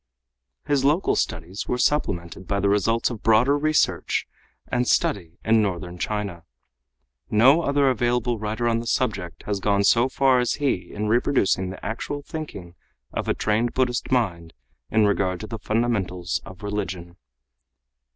His local studies were supplemented by the results of broader research and study in northern China. No other available writer on the subject has gone so far as he in reproducing the actual thinking of a trained Buddhist mind in regard to the fundamentals of religion.